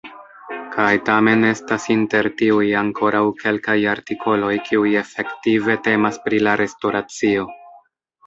Kaj tamen estas inter tiuj ankoraŭ kelkaj artikoloj kiuj efektive temas pri la restoracio.